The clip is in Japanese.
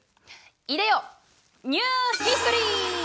いでよニューヒストリー！